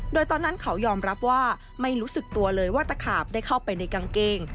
โดยตอนนั้นเขายอมรับว่าไม่รู้สึกตัวเลยว่าตะขาบได้เข้าไปในกางเกง